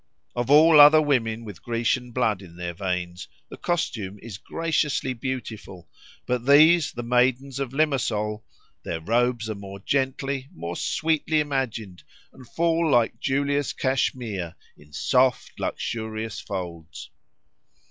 Of all other women with Grecian blood in their veins the costume is graciously beautiful, but these, the maidens of Limasol—their robes are more gently, more sweetly imagined, and fall like Julia's cashmere in soft, luxurious folds.